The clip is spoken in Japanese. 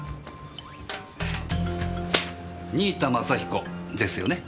新井田政彦ですよね？